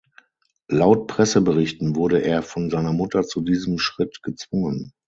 Laut Presseberichten wurde er von seiner Mutter zu diesem Schritt gezwungen.